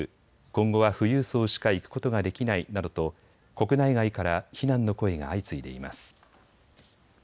今後は富裕層しか行くことができないなどと国内外から非難の声が相次いでいます。